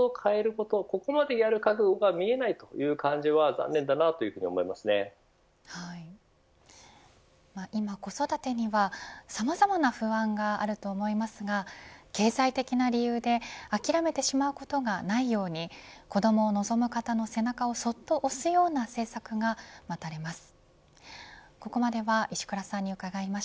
ここまでやるかどうかが見えないという感じは今、子育てにはさまざまな不安があると思いますが経済的な理由で諦めてしまうことがないように子どもを望む方の背中をそっと押すような政策が待たれます。